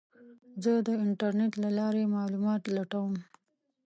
زه د انټرنیټ له لارې معلومات لټوم.